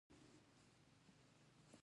ایا ستاسو نیت پاک دی؟